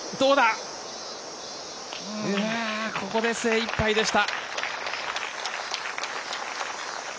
ここで精いっぱいでした。